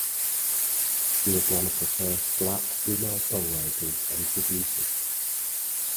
She was one of the first black female songwriters and producers.